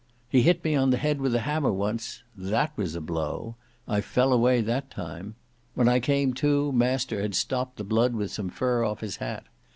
He hit me on the head with a hammer once. That was a blow! I fell away that time. When I came to, master had stopped the blood with some fur off his hat.